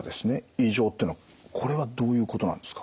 異常っていうのはこれはどういうことなんですか？